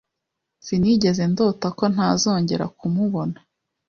Sinigeze ndota ko ntazongera kumubona.